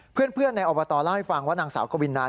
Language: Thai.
เพื่อนในอบตเล่าให้ฟังว่านางสาวกวินนา